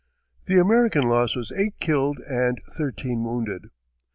The American loss was eight killed and thirteen wounded.